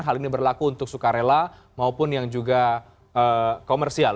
hal ini berlaku untuk sukarela maupun yang juga komersial